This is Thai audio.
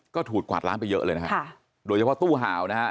ก็ถูกกวาดล้างไปเยอะเลยนะฮะค่ะโดยเฉพาะตู้ห่าวนะฮะ